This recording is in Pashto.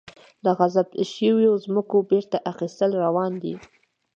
د غصب شویو ځمکو بیرته اخیستل روان دي؟